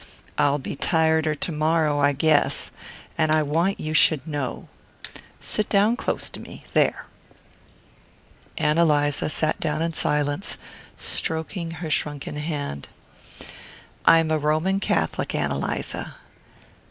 "I'll be tireder to morrow, I guess. And I want you should know. Sit down close to me there." Ann Eliza sat down in silence, stroking her shrunken hand. "I'm a Roman Catholic, Ann Eliza."